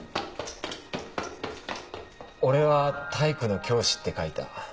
俺は「体育の教師」って書いた。